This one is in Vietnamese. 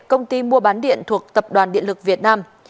công ty mua bán điện thuộc tập đoàn điện lực việt nam